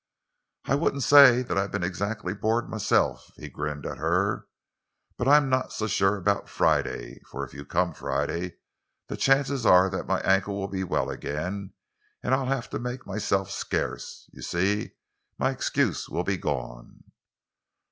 "I wouldn't say that I've been exactly bored myself," he grinned at her. "But I'm not so sure about Friday; for if you come Friday the chances are that my ankle will be well again, and I'll have to make myself scarce. You see, my excuse will be gone."